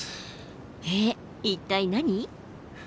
えっ一体何？